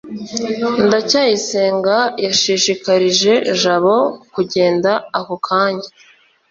ndacyayisenga yashishikarije jabo kugenda ako kanya